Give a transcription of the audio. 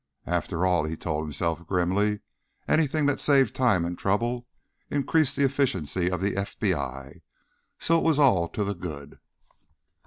After all, he told himself grimly, anything that saved time and trouble increased the efficiency of the FBI, so it was all to the good.